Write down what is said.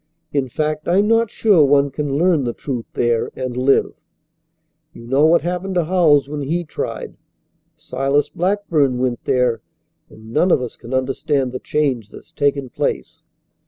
In fact, I'm not sure one can learn the truth there and live. You know what happened to Howells when he tried. Silas Blackburn went there, and none of us can understand the change that's taken place.